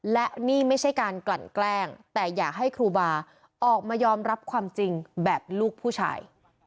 และนี่ไม่ใช่การกลั่นแกล้งแต่อยากให้ครูบาออกมายอมรับความจริงแบบลูกผู้ชาย